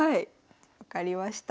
分かりました。